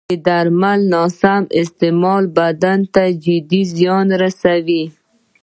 د درملو نه سم استعمال بدن ته جدي زیان رسوي.